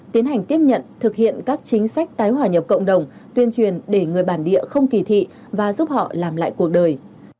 tiến hành tiếp nhận thực hiện các chính sách tái hòa nhập cộng đồng tuyên truyền để người bản địa không kỳ thị và giúp họ làm lại cuộc đời